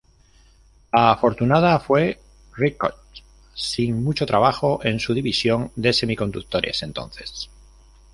La afortunada fue Ricoh, sin mucho trabajo en su división de semiconductores entonces.